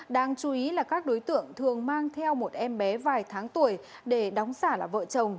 đáng chú ý là các đối tượng thường mang theo một em bé vài tháng tuổi để đóng giả là vợ chồng